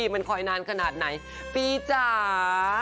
มันคอยนานขนาดไหนปีจ๋า